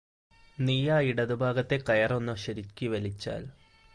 നീയാ ഇടതു ഭാഗത്തെ കയര് ഒന്നു ശരിക്ക് വലിച്ചാല്